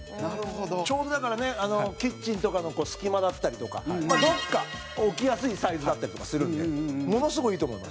土田：ちょうど、だからねキッチンとかの隙間だったりとかどこか置きやすいサイズだったりとかするんでものすごい、いいと思います。